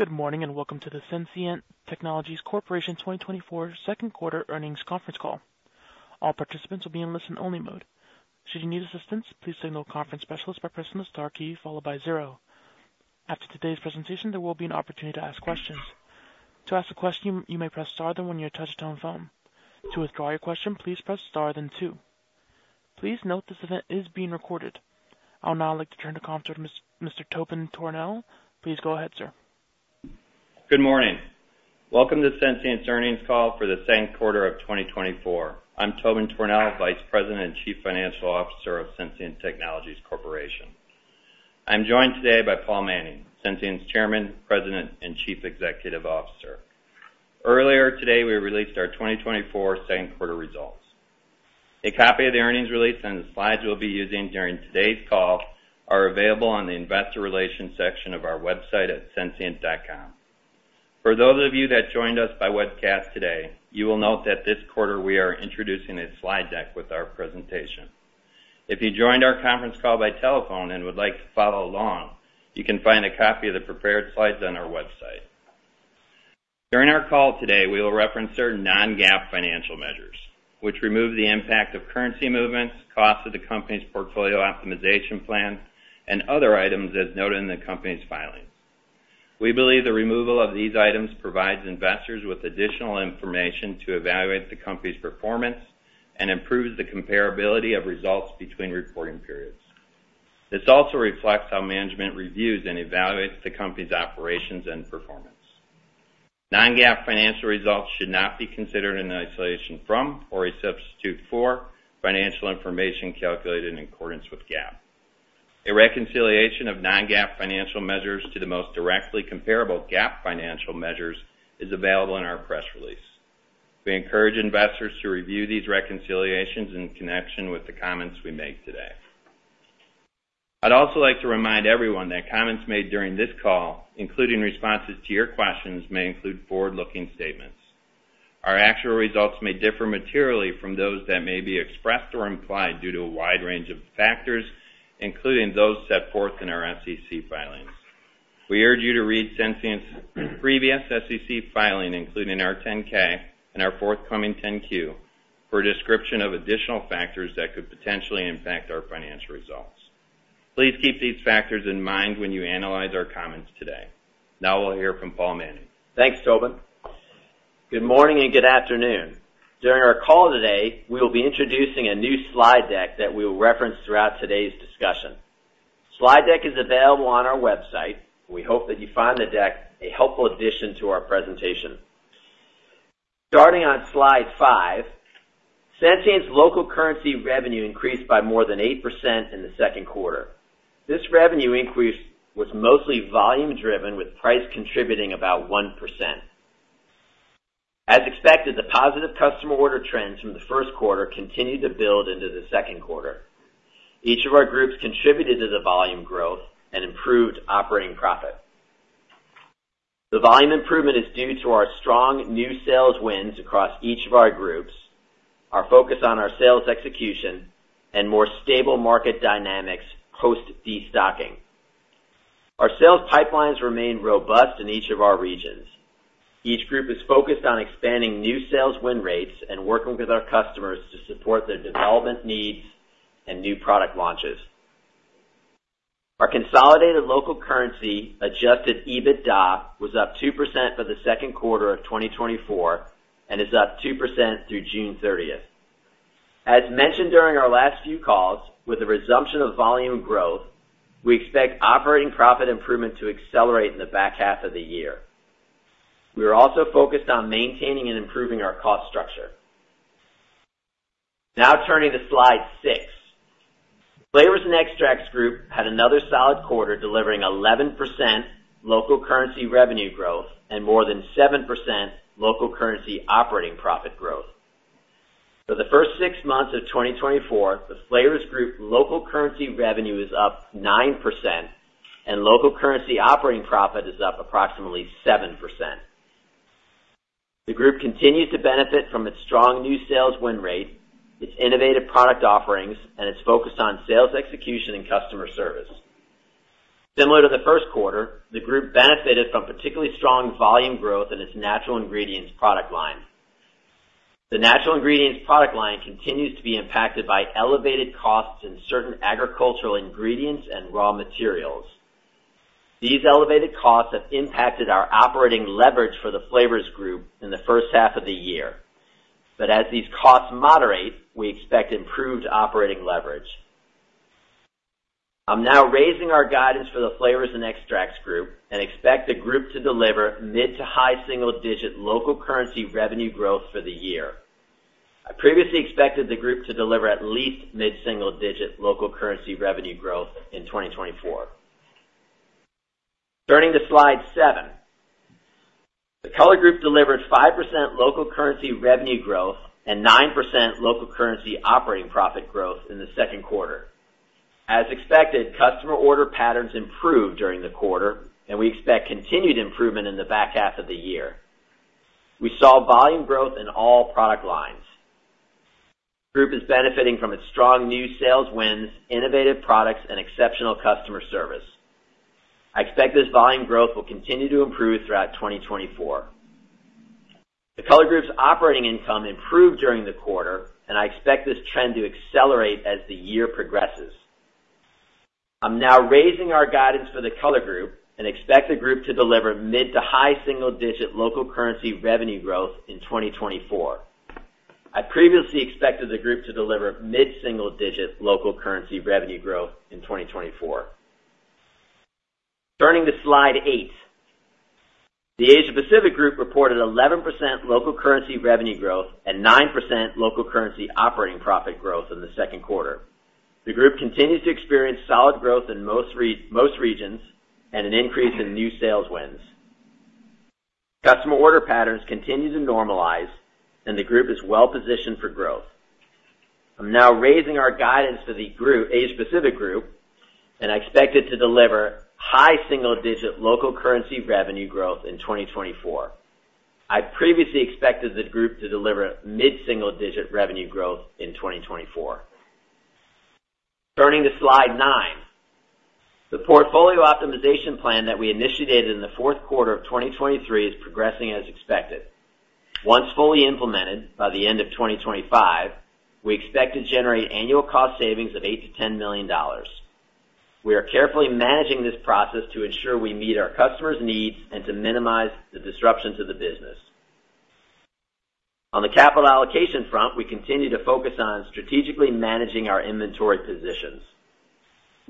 Good morning and welcome to the Sensient Technologies Corporation 2024 Second Quarter Earnings Conference Call. All participants will be in listen-only mode. Should you need assistance, please signal a conference specialist by pressing the star key followed by zero. After today's presentation, there will be an opportunity to ask questions. To ask a question, you may press star then one on your touch-tone phone. To withdraw your question, please press star then two. Please note this event is being recorded. I'll now like to turn the conference over to Mr. Tobin Tornehl. Please go ahead, sir. Good morning. Welcome to Sensient's earnings call for the second quarter of 2024. I'm Tobin Tornehl, Vice President and Chief Financial Officer of Sensient Technologies Corporation. I'm joined today by Paul Manning, Sensient's Chairman, President, and Chief Executive Officer. Earlier today, we released our 2024 second quarter results. A copy of the earnings release and the slides we'll be using during today's call are available on the investor relations section of our website at sensient.com. For those of you that joined us by webcast today, you will note that this quarter we are introducing a slide deck with our presentation. If you joined our conference call by telephone and would like to follow along, you can find a copy of the prepared slides on our website. During our call today, we will reference certain non-GAAP financial measures, which remove the impact of currency movements, costs of the company's portfolio optimization plan, and other items as noted in the company's filings. We believe the removal of these items provides investors with additional information to evaluate the company's performance and improves the comparability of results between reporting periods. This also reflects how management reviews and evaluates the company's operations and performance. Non-GAAP financial results should not be considered in isolation from or a substitute for financial information calculated in accordance with GAAP. A reconciliation of non-GAAP financial measures to the most directly comparable GAAP financial measures is available in our press release. We encourage investors to review these reconciliations in connection with the comments we make today. I'd also like to remind everyone that comments made during this call, including responses to your questions, may include forward-looking statements. Our actual results may differ materially from those that may be expressed or implied due to a wide range of factors, including those set forth in our SEC filings. We urge you to read Sensient's previous SEC filing, including our 10-K and our forthcoming 10-Q, for a description of additional factors that could potentially impact our financial results. Please keep these factors in mind when you analyze our comments today. Now we'll hear from Paul Manning. Thanks, Tobin. Good morning and good afternoon. During our call today, we will be introducing a new slide deck that we will reference throughout today's discussion. The slide deck is available on our website. We hope that you find the deck a helpful addition to our presentation. Starting on slide five, Sensient's local currency revenue increased by more than 8% in the second quarter. This revenue increase was mostly volume-driven, with price contributing about 1%. As expected, the positive customer order trends from the first quarter continued to build into the second quarter. Each of our groups contributed to the volume growth and improved operating profit. The volume improvement is due to our strong new sales wins across each of our groups, our focus on our sales execution, and more stable market dynamics post-destocking. Our sales pipelines remain robust in each of our regions. Each group is focused on expanding new sales win rates and working with our customers to support their development needs and new product launches. Our consolidated local currency adjusted EBITDA was up 2% for the second quarter of 2024 and is up 2% through June 30th. As mentioned during our last few calls, with the resumption of volume growth, we expect operating profit improvement to accelerate in the back half of the year. We are also focused on maintaining and improving our cost structure. Now turning to slide six, Flavors & Extracts Group had another solid quarter delivering 11% local currency revenue growth and more than 7% local currency operating profit growth. For the first six months of 2024, the Flavors Group local currency revenue is up 9%, and local currency operating profit is up approximately 7%. The group continues to benefit from its strong new sales win rate, its innovative product offerings, and its focus on sales execution and customer service. Similar to the first quarter, the group benefited from particularly strong volume growth in its natural ingredients product line. The natural ingredients product line continues to be impacted by elevated costs in certain agricultural ingredients and raw materials. These elevated costs have impacted our operating leverage for the Flavors Group in the first half of the year. But as these costs moderate, we expect improved operating leverage. I'm now raising our guidance for the Flavors & Extracts Group and expect the group to deliver mid to high single-digit local currency revenue growth for the year. I previously expected the group to deliver at least mid-single-digit local currency revenue growth in 2024. Turning to slide seven, the Color Group delivered 5% local currency revenue growth and 9% local currency operating profit growth in the second quarter. As expected, customer order patterns improved during the quarter, and we expect continued improvement in the back half of the year. We saw volume growth in all product lines. The group is benefiting from its strong new sales wins, innovative products, and exceptional customer service. I expect this volume growth will continue to improve throughout 2024. The Color Group's operating income improved during the quarter, and I expect this trend to accelerate as the year progresses. I'm now raising our guidance for the Color Group and expect the group to deliver mid to high single-digit local currency revenue growth in 2024. I previously expected the group to deliver mid-single-digit local currency revenue growth in 2024. Turning to slide eight, the Asia Pacific Group reported 11% local currency revenue growth and 9% local currency operating profit growth in the second quarter. The group continues to experience solid growth in most regions and an increase in new sales wins. Customer order patterns continue to normalize, and the group is well positioned for growth. I'm now raising our guidance for the Asia Pacific Group, and I expect it to deliver high single-digit local currency revenue growth in 2024. I previously expected the group to deliver mid-single-digit revenue growth in 2024. Turning to slide nine, the portfolio optimization plan that we initiated in the fourth quarter of 2023 is progressing as expected. Once fully implemented by the end of 2025, we expect to generate annual cost savings of $8 million-$10 million. We are carefully managing this process to ensure we meet our customers' needs and to minimize the disruptions of the business. On the capital allocation front, we continue to focus on strategically managing our inventory positions.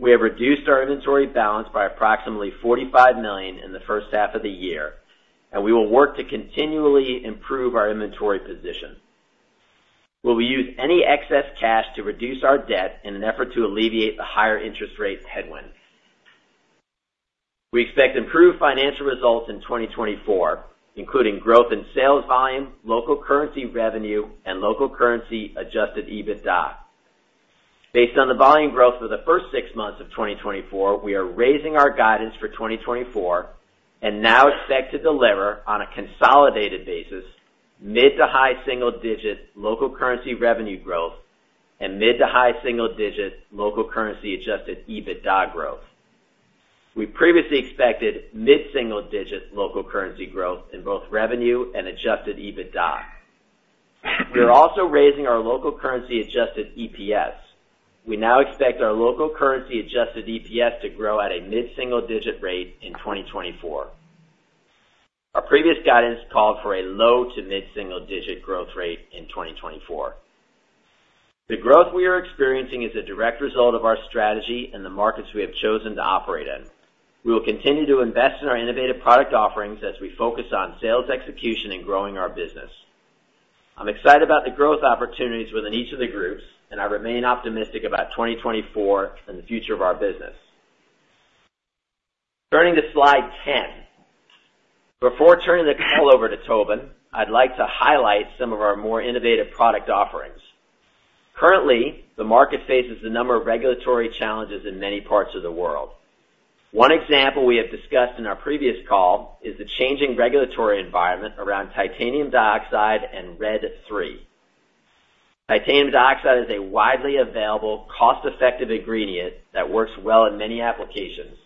We have reduced our inventory balance by approximately $45 million in the first half of the year, and we will work to continually improve our inventory position. We will use any excess cash to reduce our debt in an effort to alleviate the higher interest rate headwinds. We expect improved financial results in 2024, including growth in sales volume, local currency revenue, and local currency adjusted EBITDA. Based on the volume growth for the first six months of 2024, we are raising our guidance for 2024 and now expect to deliver on a consolidated basis mid to high single-digit local currency revenue growth and mid to high single-digit local currency adjusted EBITDA growth. We previously expected mid-single-digit local currency growth in both revenue and adjusted EBITDA. We are also raising our local currency adjusted EPS. We now expect our local currency adjusted EPS to grow at a mid-single-digit rate in 2024. Our previous guidance called for a low to mid-single-digit growth rate in 2024. The growth we are experiencing is a direct result of our strategy and the markets we have chosen to operate in. We will continue to invest in our innovative product offerings as we focus on sales execution and growing our business. I'm excited about the growth opportunities within each of the groups, and I remain optimistic about 2024 and the future of our business. Turning to slide 10, before turning the call over to Tobin, I'd like to highlight some of our more innovative product offerings. Currently, the market faces a number of regulatory challenges in many parts of the world. One example we have discussed in our previous call is the changing regulatory environment around titanium dioxide and Red 3. Titanium dioxide is a widely available, cost-effective ingredient that works well in many applications,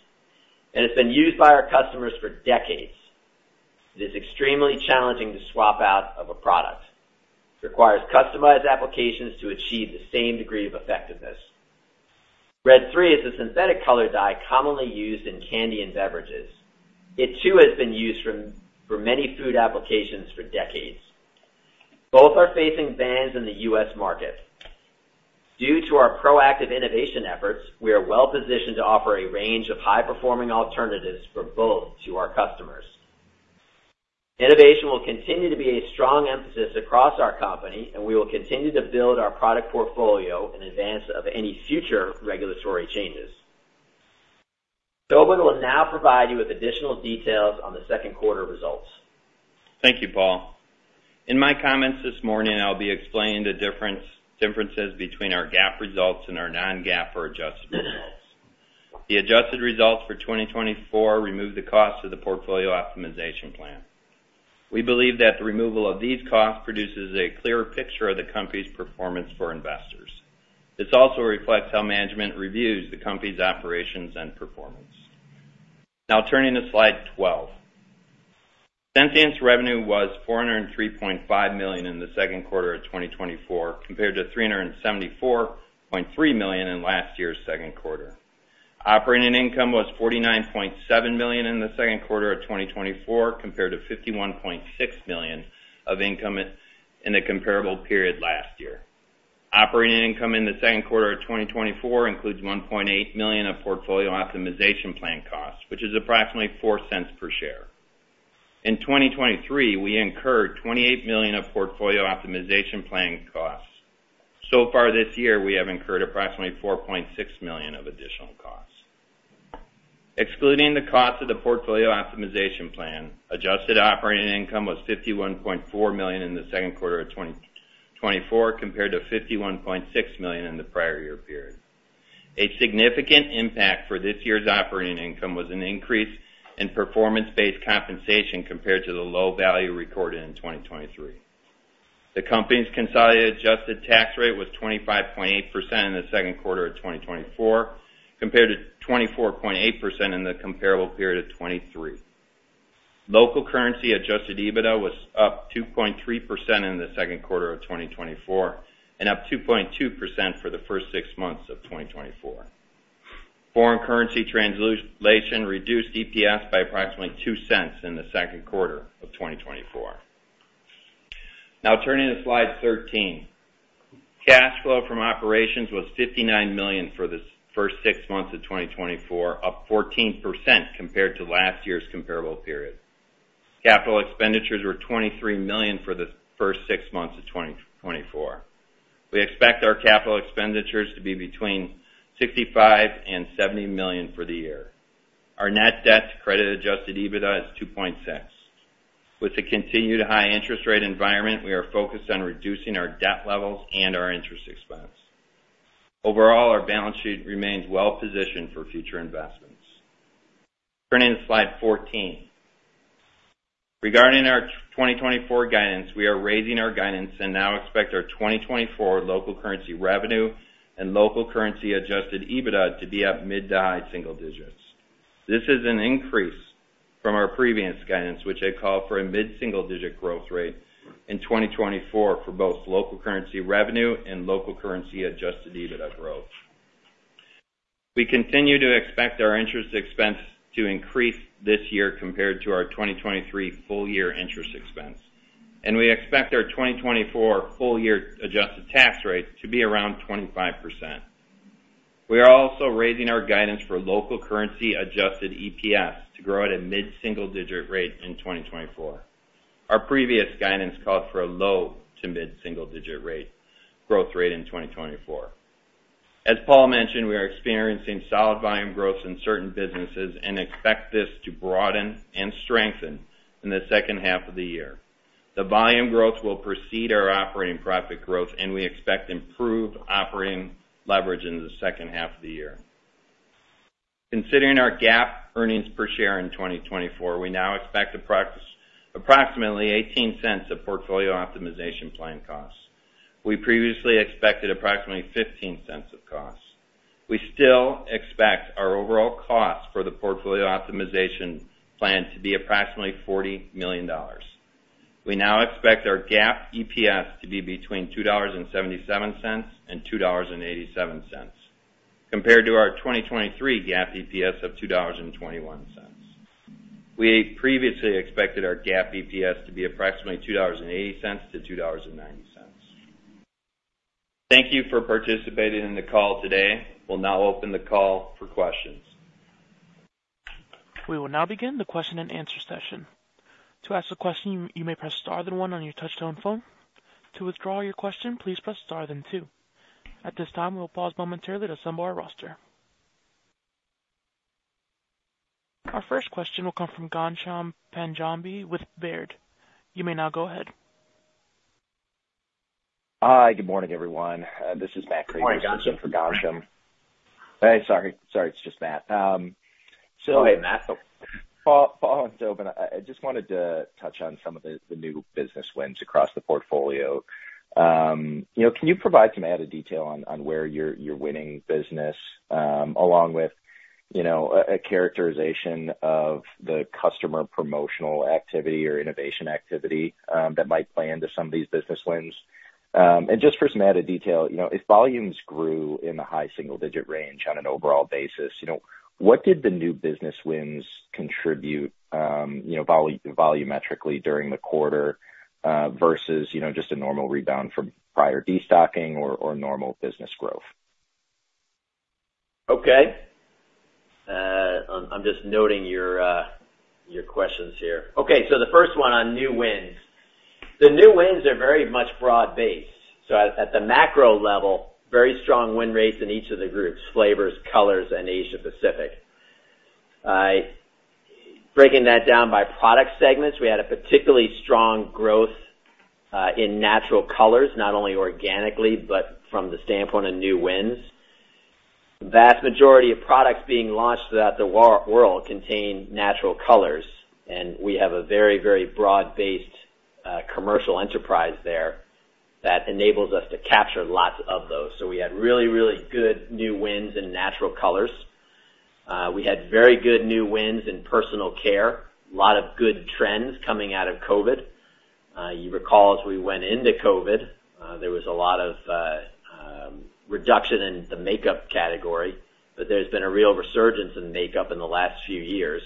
and it's been used by our customers for decades. It is extremely challenging to swap out of a product. It requires customized applications to achieve the same degree of effectiveness. Red 3 is a synthetic color dye commonly used in candy and beverages. It too has been used for many food applications for decades. Both are facing bans in the U.S. market. Due to our proactive innovation efforts, we are well positioned to offer a range of high-performing alternatives for both to our customers. Innovation will continue to be a strong emphasis across our company, and we will continue to build our product portfolio in advance of any future regulatory changes. Tobin will now provide you with additional details on the second quarter results. Thank you, Paul. In my comments this morning, I'll be explaining the differences between our GAAP results and our non-GAAP or adjusted results. The adjusted results for 2024 remove the costs of the portfolio optimization plan. We believe that the removal of these costs produces a clearer picture of the company's performance for investors. This also reflects how management reviews the company's operations and performance. Now turning to slide 12, Sensient's revenue was $403.5 million in the second quarter of 2024, compared to $374.3 million in last year's second quarter. Operating income was $49.7 million in the second quarter of 2024, compared to $51.6 million of income in the comparable period last year. Operating income in the second quarter of 2024 includes $1.8 million of portfolio optimization plan costs, which is approximately $0.04 per share. In 2023, we incurred $28 million of portfolio optimization plan costs. So far this year, we have incurred approximately $4.6 million of additional costs. Excluding the costs of the portfolio optimization plan, adjusted operating income was $51.4 million in the second quarter of 2024, compared to $51.6 million in the prior year period. A significant impact for this year's operating income was an increase in performance-based compensation compared to the low value recorded in 2023. The company's consolidated adjusted tax rate was 25.8% in the second quarter of 2024, compared to 24.8% in the comparable period of 2023. Local currency adjusted EBITDA was up 2.3% in the second quarter of 2024 and up 2.2% for the first six months of 2024. Foreign currency translation reduced EPS by approximately $0.02 in the second quarter of 2024. Now turning to slide 13, cash flow from operations was $59 million for the first six months of 2024, up 14% compared to last year's comparable period. Capital expenditures were $23 million for the first six months of 2024. We expect our capital expenditures to be between $65 million and $70 million for the year. Our net debt to adjusted EBITDA is 2.6x. With the continued high interest rate environment, we are focused on reducing our debt levels and our interest expense. Overall, our balance sheet remains well positioned for future investments. Turning to slide 14, regarding our 2024 guidance, we are raising our guidance and now expect our 2024 local currency revenue and local currency adjusted EBITDA to be up mid to high single digits. This is an increase from our previous guidance, which had called for a mid-single digit growth rate in 2024 for both local currency revenue and local currency adjusted EBITDA growth. We continue to expect our interest expense to increase this year compared to our 2023 full year interest expense, and we expect our 2024 full year adjusted tax rate to be around 25%. We are also raising our guidance for local currency adjusted EPS to grow at a mid-single digit rate in 2024. Our previous guidance called for a low to mid-single digit growth rate in 2024. As Paul mentioned, we are experiencing solid volume growth in certain businesses and expect this to broaden and strengthen in the second half of the year. The volume growth will precede our operating profit growth, and we expect improved operating leverage in the second half of the year. Considering our GAAP earnings per share in 2024, we now expect approximately $0.18 of portfolio optimization plan costs. We previously expected approximately $0.15 of costs. We still expect our overall cost for the portfolio optimization plan to be approximately $40 million. We now expect our GAAP EPS to be between $2.77 and $2.87, compared to our 2023 GAAP EPS of $2.21. We previously expected our GAAP EPS to be approximately $2.80-$2.90. Thank you for participating in the call today. We'll now open the call for questions. We will now begin the question and answer session. To ask a question, you may press star then one on your touch-tone phone. To withdraw your question, please press star then two. At this time, we will pause momentarily to assemble our roster. Our first question will come from Ghansham Panjabi with Baird. You may now go ahead. Hi, good morning, everyone. This is Matt Krueger for Ghansham. Hey, sorry, sorry, it's just Matt. So. Hey, Matt. Paul and Tobin, I just wanted to touch on some of the new business wins across the portfolio. Can you provide some added detail on where you're winning business, along with a characterization of the customer promotional activity or innovation activity that might play into some of these business wins? And just for some added detail, if volumes grew in the high single digit range on an overall basis, what did the new business wins contribute volumetrically during the quarter versus just a normal rebound from prior destocking or normal business growth? Okay. I'm just noting your questions here. Okay, so the first one on new wins. The new wins are very much broad-based. So at the macro level, very strong win rates in each of the groups, flavors, colors, and Asia-Pacific. Breaking that down by product segments, we had a particularly strong growth in natural colors, not only organically, but from the standpoint of new wins. The vast majority of products being launched throughout the world contain natural colors, and we have a very, very broad-based commercial enterprise there that enables us to capture lots of those. So we had really, really good new wins in natural colors. We had very good new wins in personal care, a lot of good trends coming out of COVID. You recall, as we went into COVID, there was a lot of reduction in the makeup category, but there's been a real resurgence in makeup in the last few years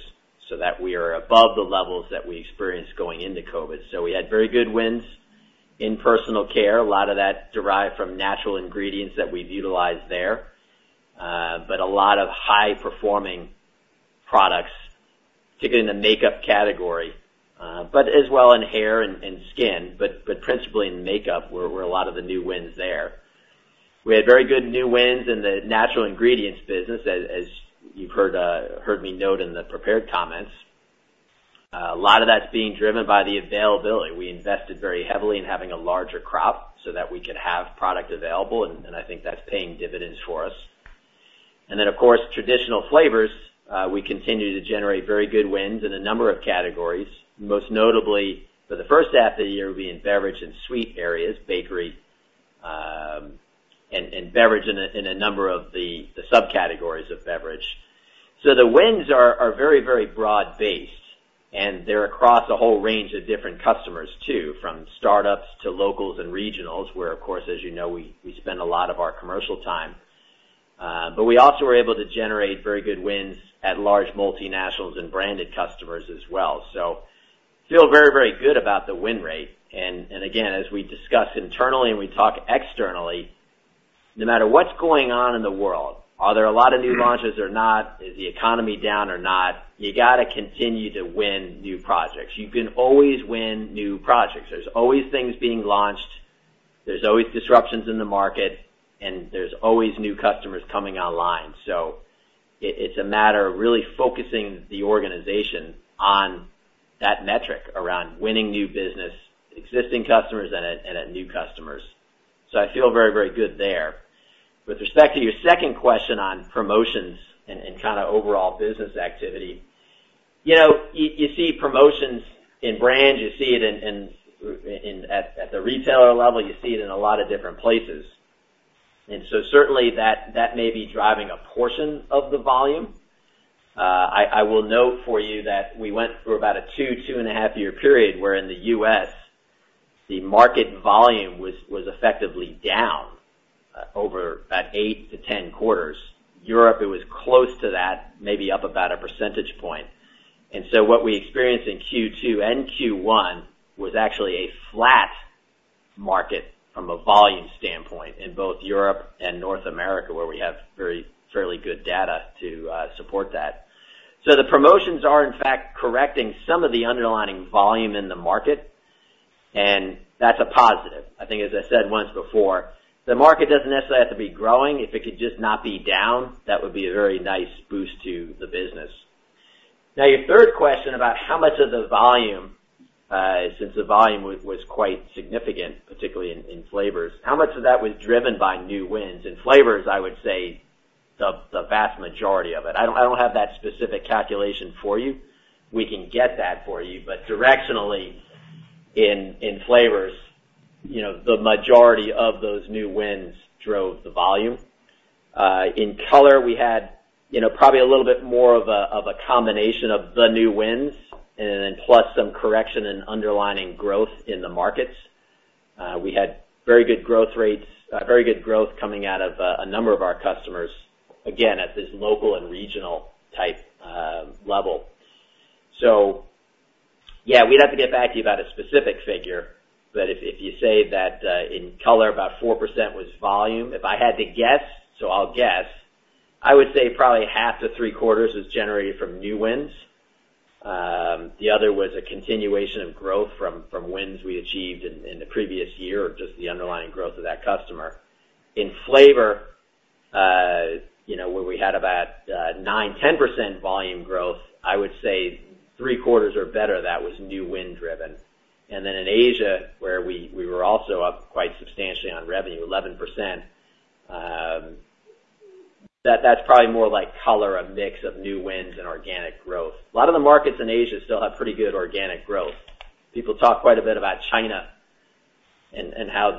so that we are above the levels that we experienced going into COVID. We had very good wins in personal care. A lot of that derived from natural ingredients that we've utilized there, but a lot of high-performing products, particularly in the makeup category, but as well in hair and skin, but principally in makeup, where a lot of the new wins there. We had very good new wins in the natural ingredients business, as you've heard me note in the prepared comments. A lot of that's being driven by the availability. We invested very heavily in having a larger crop so that we could have product available, and I think that's paying dividends for us. And then, of course, traditional flavors, we continue to generate very good wins in a number of categories, most notably for the first half of the year being beverage and sweet areas, bakery, and beverage in a number of the subcategories of beverage. So the wins are very, very broad-based, and they're across a whole range of different customers too, from startups to locals and regionals, where, of course, as you know, we spend a lot of our commercial time. But we also were able to generate very good wins at large multinationals and branded customers as well. So I feel very, very good about the win rate. And again, as we discuss internally and we talk externally, no matter what's going on in the world, are there a lot of new launches or not? Is the economy down or not? You got to continue to win new projects. You can always win new projects. There's always things being launched. There's always disruptions in the market, and there's always new customers coming online. So it's a matter of really focusing the organization on that metric around winning new business, existing customers, and at new customers. So I feel very, very good there. With respect to your second question on promotions and kind of overall business activity, you see promotions in brands. You see it at the retailer level. You see it in a lot of different places. And so certainly that may be driving a portion of the volume. I will note for you that we went through about a 2-2.5-year period where in the U.S., the market volume was effectively down over about 8-10 quarters. Europe, it was close to that, maybe up about 1 percentage point. And so what we experienced in Q2 and Q1 was actually a flat market from a volume standpoint in both Europe and North America, where we have fairly good data to support that. So the promotions are, in fact, correcting some of the underlying volume in the market, and that's a positive. I think, as I said once before, the market doesn't necessarily have to be growing. If it could just not be down, that would be a very nice boost to the business. Now, your third question about how much of the volume, since the volume was quite significant, particularly in Flavors, how much of that was driven by new wins? In Flavors, I would say the vast majority of it. I don't have that specific calculation for you. We can get that for you. But directionally, in Flavors, the majority of those new wins drove the volume. In Color, we had probably a little bit more of a combination of the new wins and then plus some correction and underlying growth in the markets. We had very good growth rates, very good growth coming out of a number of our customers, again, at this local and regional type level. So yeah, we'd have to get back to you about a specific figure, but if you say that in Color, about 4% was volume, if I had to guess, so I'll guess, I would say probably half to three quarters was generated from new wins. The other was a continuation of growth from wins we achieved in the previous year or just the underlying growth of that customer. In Flavor, where we had about 9%-10% volume growth, I would say three quarters or better of that was new win driven. Then in Asia, where we were also up quite substantially on revenue, 11%. That's probably more like Color, a mix of new wins and organic growth. A lot of the markets in Asia still have pretty good organic growth. People talk quite a bit about China and how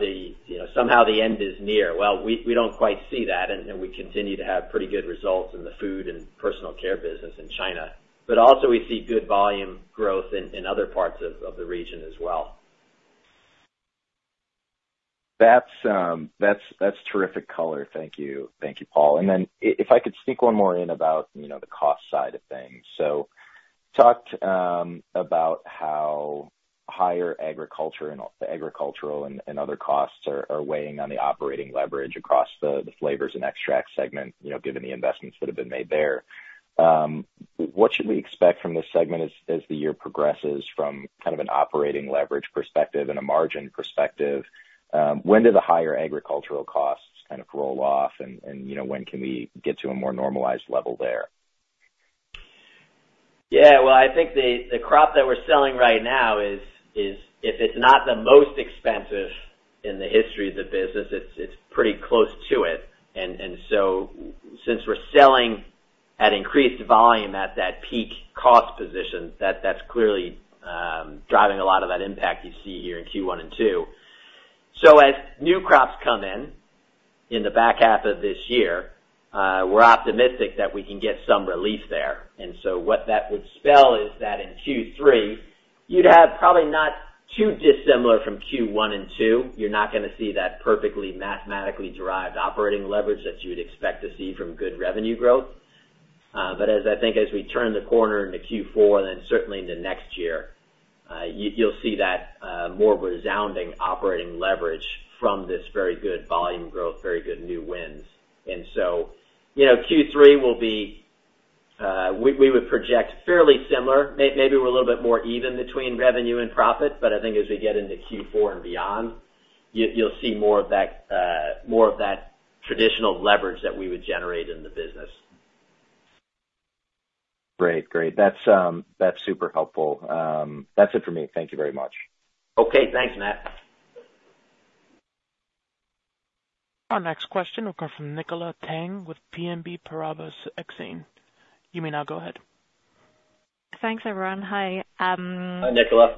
somehow the end is near. Well, we don't quite see that, and we continue to have pretty good results in the food and personal care business in China. But also, we see good volume growth in other parts of the region as well. That's terrific color. Thank you. Thank you, Paul. And then if I could sneak one more in about the cost side of things. So talked about how higher agriculture and other costs are weighing on the operating leverage across the Flavors & Extract segment, given the investments that have been made there. What should we expect from this segment as the year progresses from kind of an operating leverage perspective and a margin perspective? When do the higher agricultural costs kind of roll off, and when can we get to a more normalized level there? Yeah, well, I think the crop that we're selling right now, if it's not the most expensive in the history of the business, it's pretty close to it. And so since we're selling at increased volume at that peak cost position, that's clearly driving a lot of that impact you see here in Q1 and Q2. So as new crops come in in the back half of this year, we're optimistic that we can get some relief there. And so what that would spell is that in Q3, you'd have probably not too dissimilar from Q1 and Q2. You're not going to see that perfectly mathematically derived operating leverage that you would expect to see from good revenue growth. But I think as we turn the corner into Q4, then certainly in the next year, you'll see that more resounding operating leverage from this very good volume growth, very good new wins. And so Q3 will be we would project fairly similar. Maybe we're a little bit more even between revenue and profit, but I think as we get into Q4 and beyond, you'll see more of that traditional leverage that we would generate in the business. Great. Great. That's super helpful. That's it for me. Thank you very much. Okay. Thanks, Matt. Our next question will come from Nicola Tang with BNP Paribas Exane. You may now go ahead. Thanks, everyone. Hi. Hi, Nicola.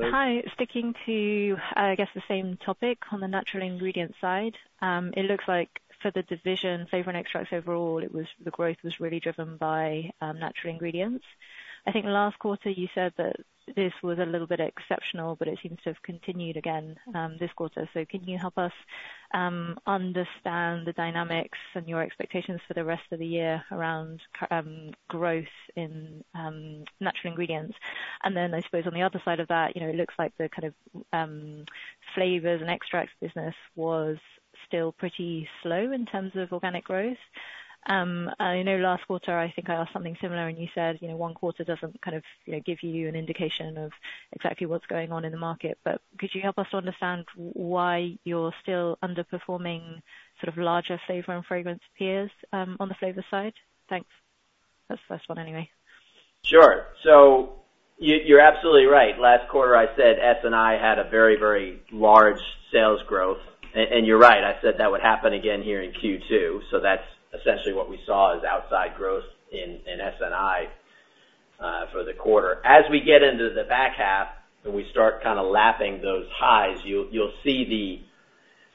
Hi. Sticking to, I guess, the same topic on the natural ingredients side, it looks like for the division, Flavor & Extracts overall, the growth was really driven by natural ingredients. I think last quarter, you said that this was a little bit exceptional, but it seems to have continued again this quarter. So can you help us understand the dynamics and your expectations for the rest of the year around growth in natural ingredients? And then I suppose on the other side of that, it looks like the kind of Flavors & Extracts business was still pretty slow in terms of organic growth. I know last quarter, I think I asked something similar, and you said one quarter doesn't kind of give you an indication of exactly what's going on in the market. But could you help us to understand why you're still underperforming sort of larger flavor and fragrance peers on the flavor side? Thanks. That's the first one anyway. Sure. So you're absolutely right. Last quarter, I said SNI had a very, very large sales growth. And you're right. I said that would happen again here in Q2. So that's essentially what we saw is outside growth in SNI for the quarter. As we get into the back half and we start kind of lapping those highs, you'll see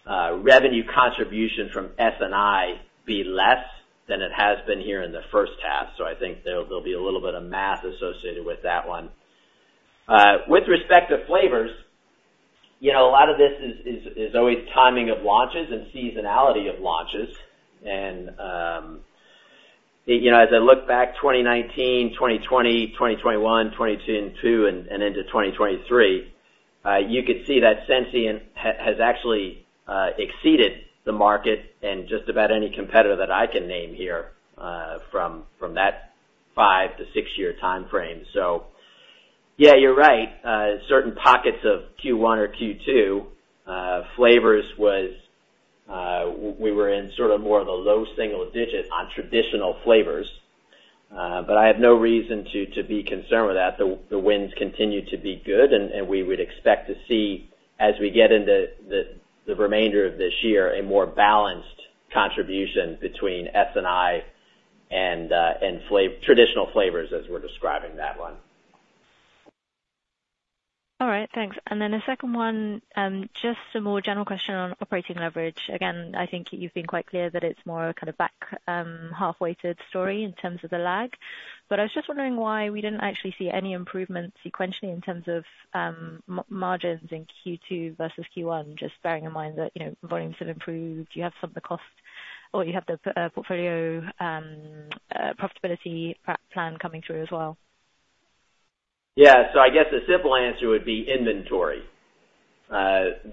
the revenue contribution from SNI be less than it has been here in the first half. So I think there'll be a little bit of math associated with that one. With respect to Flavors, a lot of this is always timing of launches and seasonality of launches. And as I look back, 2019, 2020, 2021, 2022, and into 2023, you could see that Sensient has actually exceeded the market and just about any competitor that I can name here from that five to six-year time frame. So yeah, you're right. Certain pockets of Q1 or Q2, Flavors we were in sort of more of a low single digit on traditional flavors. But I have no reason to be concerned with that. The wins continue to be good, and we would expect to see, as we get into the remainder of this year, a more balanced contribution between SNI and traditional flavors as we're describing that one. All right. Thanks. And then the second one, just a more general question on operating leverage. Again, I think you've been quite clear that it's more of a kind of back half-weighted story in terms of the lag. But I was just wondering why we didn't actually see any improvement sequentially in terms of margins in Q2 versus Q1, just bearing in mind that volumes have improved. You have some of the cost or you have the portfolio optimization plan coming through as well. Yeah. So I guess the simple answer would be inventory. Let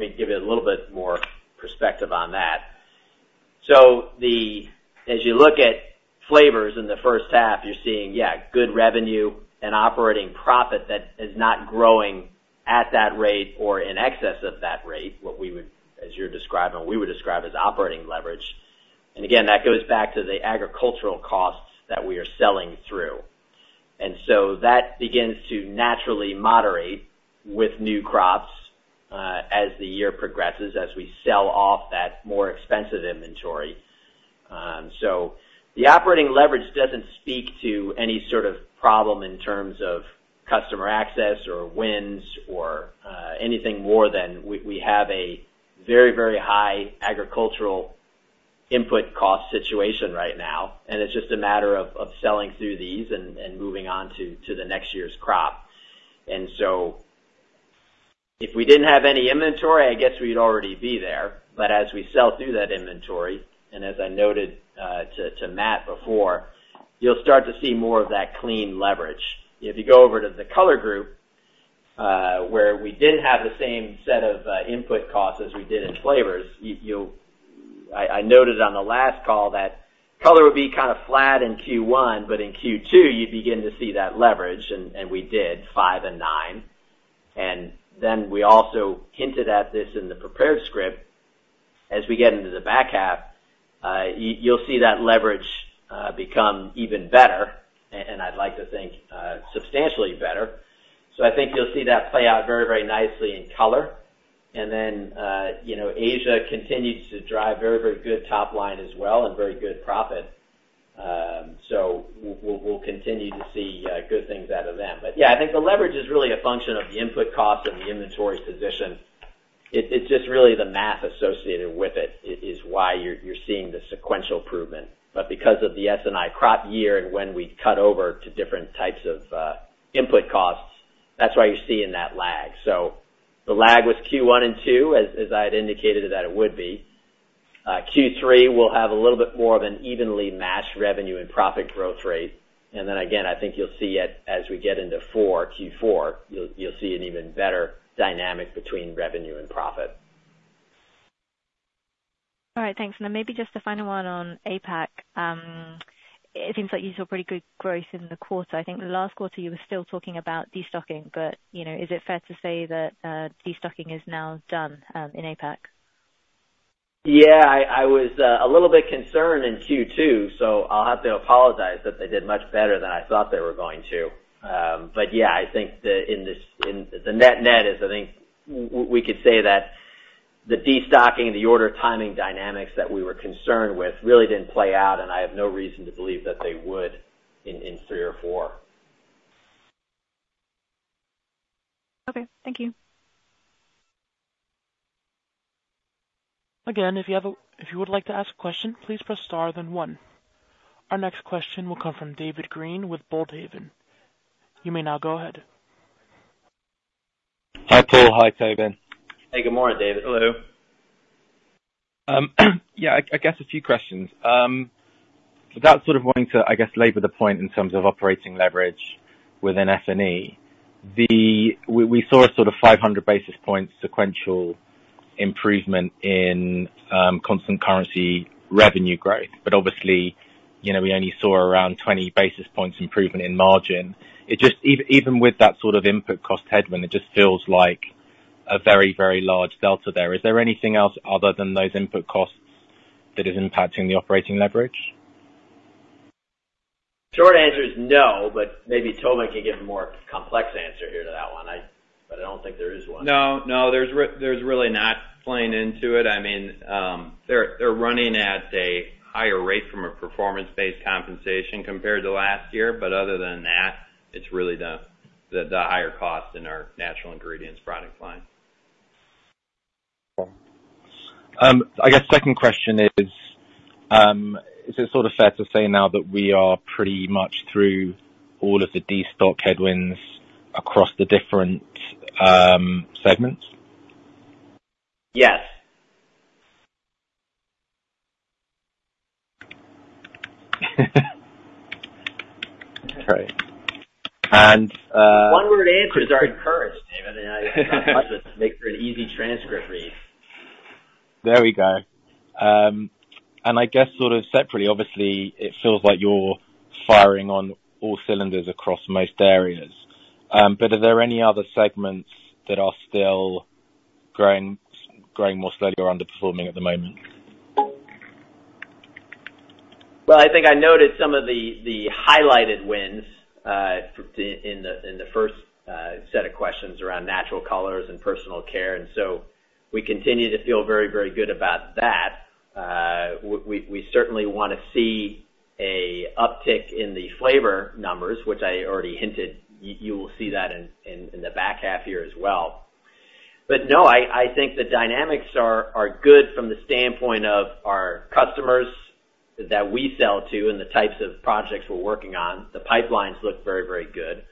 me give you a little bit more perspective on that. So as you look at Flavors in the first half, you're seeing, yeah, good revenue and operating profit that is not growing at that rate or in excess of that rate, what we would, as you're describing, we would describe as operating leverage. And again, that goes back to the agricultural costs that we are selling through. And so that begins to naturally moderate with new crops as the year progresses, as we sell off that more expensive inventory. So the operating leverage doesn't speak to any sort of problem in terms of customer access or wins or anything more than we have a very, very high agricultural input cost situation right now. And it's just a matter of selling through these and moving on to the next year's crop. And so if we didn't have any inventory, I guess we'd already be there. But as we sell through that inventory, and as I noted to Matt before, you'll start to see more of that clean leverage. If you go over to the Color Group, where we didn't have the same set of input costs as we did in Flavors, I noted on the last call that Color would be kind of flat in Q1, but in Q2, you'd begin to see that leverage. And we did 5% and 9%. And then we also hinted at this in the prepared script. As we get into the back half, you'll see that leverage become even better, and I'd like to think substantially better. So I think you'll see that play out very, very nicely in color. And then Asia continues to drive very, very good top line as well and very good profit. So we'll continue to see good things out of them. But yeah, I think the leverage is really a function of the input costs and the inventory position. It's just really the math associated with it is why you're seeing the sequential improvement. But because of the SNI crop year and when we cut over to different types of input costs, that's why you're seeing that lag. So the lag was Q1 and Q2, as I had indicated that it would be. Q3, we'll have a little bit more of an evenly matched revenue and profit growth rate. And then again, I think you'll see it as we get into Q4, you'll see an even better dynamic between revenue and profit. All right. Thanks. And then maybe just the final one on APAC. It seems like you saw pretty good growth in the quarter. I think last quarter, you were still talking about destocking, but is it fair to say that destocking is now done in APAC? Yeah. I was a little bit concerned in Q2, so I'll have to apologize that they did much better than I thought they were going to. But yeah, I think the net-net is, I think we could say that the destocking and the order timing dynamics that we were concerned with really didn't play out, and I have no reason to believe that they would in three or four. Okay. Thank you. Again, if you would like to ask a question, please press star then one. Our next question will come from David Green with Boldhaven. You may now go ahead. Hi, Paul. Hi, Tobin. Hey, good morning, David. Hello. Yeah, I guess a few questions. Without sort of wanting to, I guess, labor the point in terms of operating leverage within F&E, we saw a sort of 500 basis points sequential improvement in constant currency revenue growth. But obviously, we only saw around 20 basis points improvement in margin. Even with that sort of input cost headwind, it just feels like a very, very large delta there. Is there anything else other than those input costs that is impacting the operating leverage? Short answer is no, but maybe Tobin can give a more complex answer here to that one, but I don't think there is one. No, no. There's really not playing into it. I mean, they're running at a higher rate from a performance-based compensation compared to last year. But other than that, it's really the higher cost in our natural ingredients product line. I guess second question is, is it sort of fair to say now that we are pretty much through all of the destocking headwinds across the different segments? Yes. Okay. One word answer is our current statement. I must make sure an easy transcript reads. There we go. And I guess sort of separately, obviously, it feels like you're firing on all cylinders across most areas. But are there any other segments that are still growing more slowly or underperforming at the moment? Well, I think I noted some of the highlighted wins in the first set of questions around natural colors and personal care. So we continue to feel very, very good about that. We certainly want to see an uptick in the flavor numbers, which I already hinted you will see that in the back half here as well. But no, I think the dynamics are good from the standpoint of our customers that we sell to and the types of projects we're working on. The pipelines look very, very good.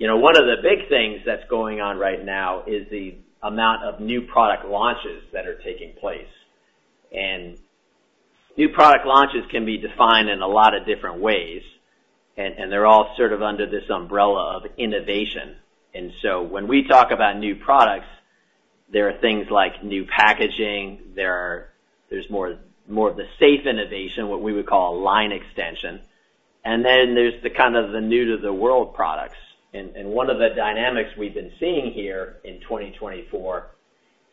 One of the big things that's going on right now is the amount of new product launches that are taking place. New product launches can be defined in a lot of different ways, and they're all sort of under this umbrella of innovation. So when we talk about new products, there are things like new packaging. There's more of the safe innovation, what we would call a line extension. And then there's the kind of the new-to-the-world products. And one of the dynamics we've been seeing here in 2024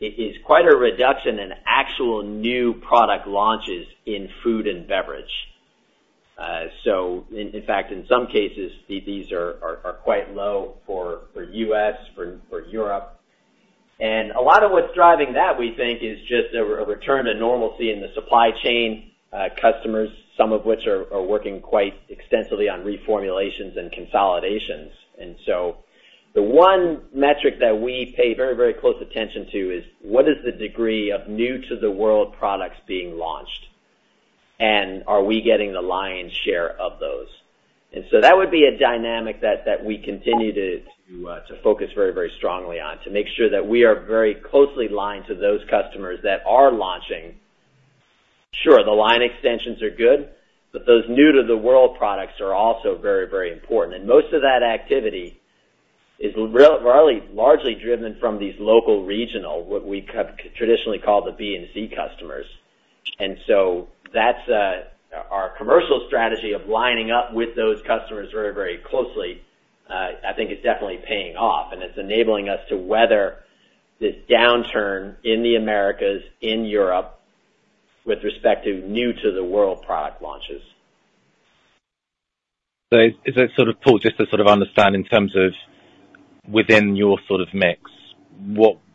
is quite a reduction in actual new product launches in food and beverage. So in fact, in some cases, these are quite low for the U.S., for Europe. And a lot of what's driving that, we think, is just a return to normalcy in the supply chain, customers, some of which are working quite extensively on reformulations and consolidations. And so the one metric that we pay very, very close attention to is what is the degree of new-to-the-world products being launched, and are we getting the lion's share of those? That would be a dynamic that we continue to focus very, very strongly on to make sure that we are very closely aligned to those customers that are launching. Sure, the line extensions are good, but those new-to-the-world products are also very, very important. Most of that activity is largely driven from these local regional, what we have traditionally called the B and C customers. Our commercial strategy of lining up with those customers very, very closely, I think, is definitely paying off. It's enabling us to weather this downturn in the Americas, in Europe, with respect to new-to-the-world product launches. So is it sort of, Paul, just to sort of understand in terms of within your sort of mix,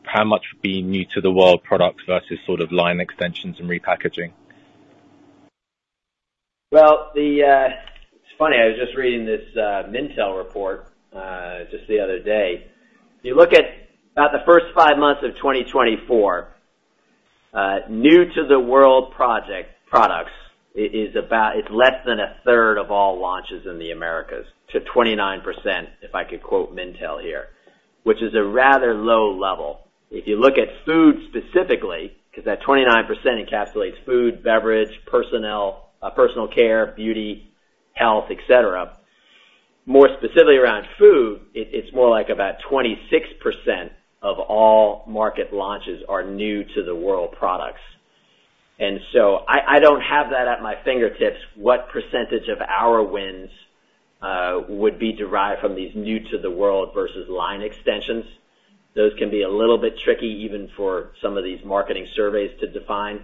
how much would be new-to-the-world products versus sort of line extensions and repackaging? Well, it's funny. I was just reading this Mintel report just the other day. If you look at about the first 5 months of 2024, new-to-the-world products is less than 1/3 of all launches in the Americas, to 29%, if I could quote Mintel here, which is a rather low level. If you look at food specifically, because that 29% encapsulates food, beverage, personal care, beauty, health, etc., more specifically around food, it's more like about 26% of all market launches are new-to-the-world products. And so I don't have that at my fingertips, what percentage of our wins would be derived from these new-to-the-world versus line extensions. Those can be a little bit tricky even for some of these marketing surveys to define.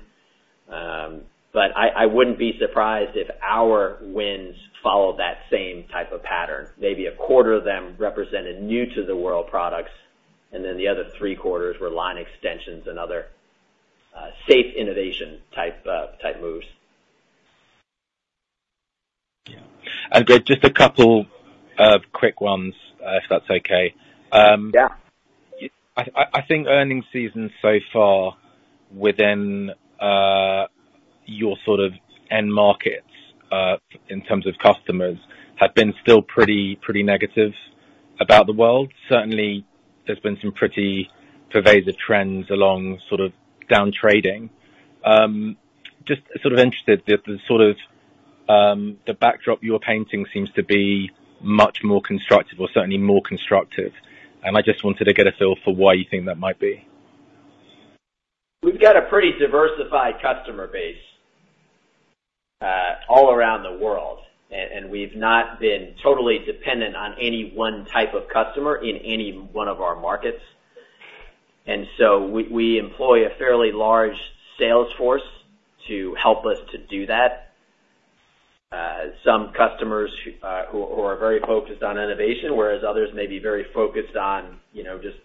But I wouldn't be surprised if our wins followed that same type of pattern. Maybe a quarter of them represented new-to-the-world products, and then the other three quarters were line extensions and other safe innovation type moves. Just a couple of quick ones, if that's okay? Yeah. I think earnings seasons so far within your sort of end markets in terms of customers have been still pretty negative about the world. Certainly, there's been some pretty pervasive trends along sort of downtrading. Just sort of interested, the backdrop you're painting seems to be much more constructive or certainly more constructive. And I just wanted to get a feel for why you think that might be. We've got a pretty diversified customer base all around the world, and we've not been totally dependent on any one type of customer in any one of our markets. And so we employ a fairly large sales force to help us to do that. Some customers who are very focused on innovation, whereas others may be very focused on just,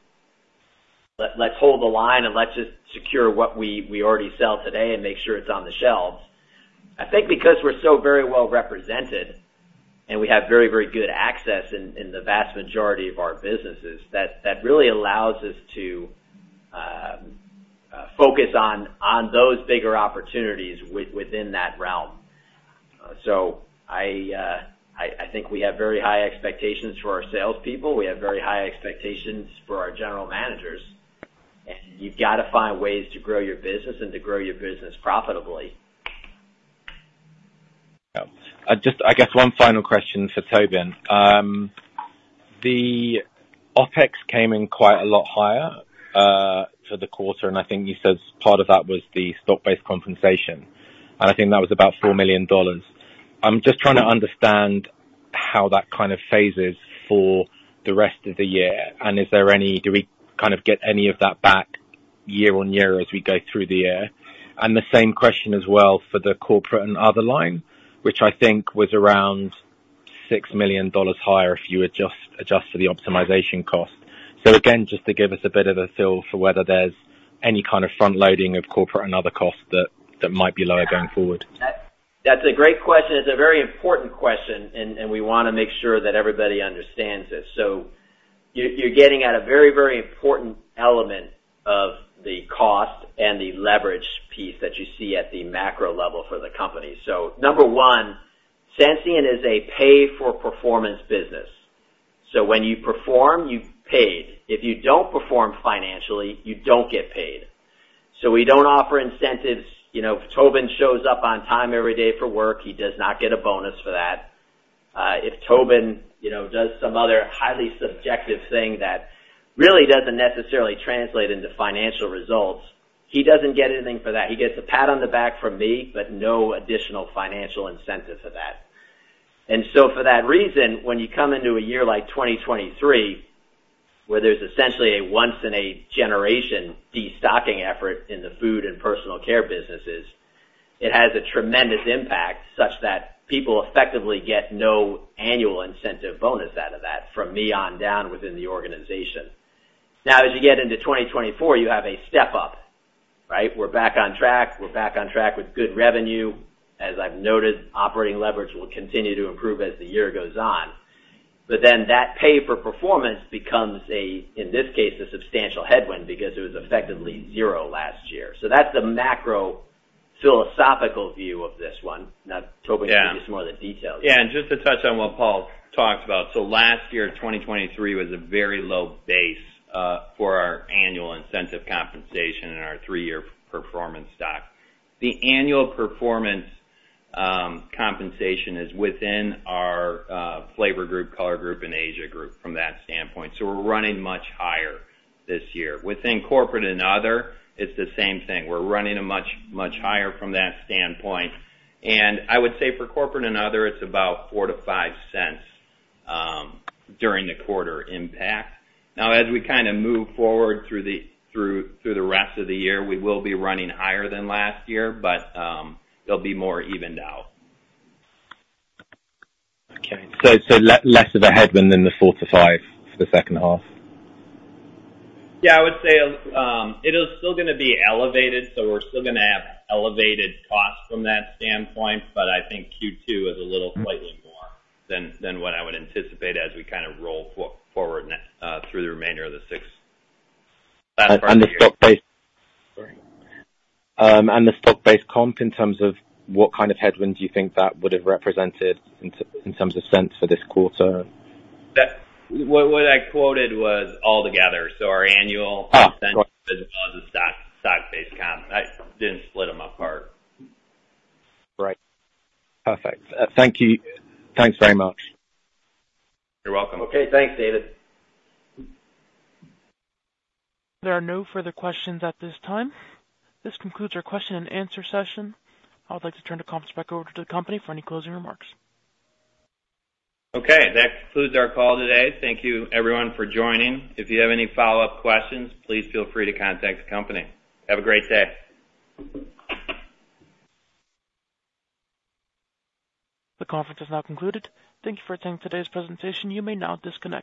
"Let's hold the line and let's just secure what we already sell today and make sure it's on the shelves." I think because we're so very well represented and we have very, very good access in the vast majority of our businesses, that really allows us to focus on those bigger opportunities within that realm. So I think we have very high expectations for our salespeople. We have very high expectations for our general managers. You've got to find ways to grow your business and to grow your business profitably. Just, I guess, one final question for Tobin. The OpEx came in quite a lot higher for the quarter, and I think you said part of that was the stock-based compensation. And I think that was about $4 million. I'm just trying to understand how that kind of phases for the rest of the year. And is there any, do we kind of get any of that back year on year as we go through the year? And the same question as well for the Corporate & Other line, which I think was around $6 million higher if you adjust for the optimization cost. So again, just to give us a bit of a feel for whether there's any kind of front-loading of Corporate & Other costs that might be lower going forward. That's a great question. It's a very important question, and we want to make sure that everybody understands it. So you're getting at a very, very important element of the cost and the leverage piece that you see at the macro level for the company. So number one, Sensient is a pay-for-performance business. So when you perform, you've paid. If you don't perform financially, you don't get paid. So we don't offer incentives. Tobin shows up on time every day for work. He does not get a bonus for that. If Tobin does some other highly subjective thing that really doesn't necessarily translate into financial results, he doesn't get anything for that. He gets a pat on the back from me, but no additional financial incentive for that. And so for that reason, when you come into a year like 2023, where there's essentially a once-in-a-generation destocking effort in the food and personal care businesses, it has a tremendous impact such that people effectively get no annual incentive bonus out of that from me on down within the organization. Now, as you get into 2024, you have a step up, right? We're back on track. We're back on track with good revenue. As I've noted, operating leverage will continue to improve as the year goes on. But then that pay-for-performance becomes, in this case, a substantial headwind because it was effectively zero last year. So that's the macro philosophical view of this one. Now, Tobin can give you some more of the details. Yeah. And just to touch on what Paul talked about, so last year, 2023, was a very low base for our annual incentive compensation and our three-year performance stock. The annual performance compensation is within our Flavor Group, Color Group, and Asia Group from that standpoint. So we're running much higher this year. Within Corporate & Other, it's the same thing. We're running a much higher from that standpoint. And I would say for Corporate & Other, it's about $0.04-$0.05 during the quarter impact. Now, as we kind of move forward through the rest of the year, we will be running higher than last year, but it'll be more evened out. Okay. So less of a headwind than the $0.04-$0.05 for the second half. Yeah. I would say it is still going to be elevated. So we're still going to have elevated costs from that standpoint. But I think Q2 is a little slightly more than what I would anticipate as we kind of roll forward through the remainder of the sixth. And the stock-based comp in terms of what kind of headwind do you think that would have represented in terms of Sensient for this quarter? What I quoted was altogether. So our annual incentive as well as the stock-based comp. I didn't split them apart. Right. Perfect. Thank you. Thanks very much. You're welcome. Okay. Thanks, David. There are no further questions at this time. This concludes our question and answer session. I would like to turn the conference back over to the company for any closing remarks. Okay. That concludes our call today. Thank you, everyone, for joining. If you have any follow-up questions, please feel free to contact the company. Have a great day. The conference has now concluded. Thank you for attending today's presentation. You may now disconnect.